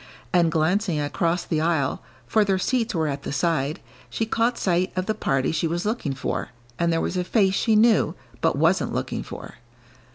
And glancing across the aisle, for their seats were at the side, she caught sight of the party she was looking for, and there was a face she knew, but wasn't looking for.